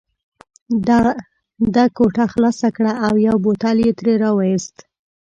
ده غوټه خلاصه کړه او یو بوتل یې ترې را وایست.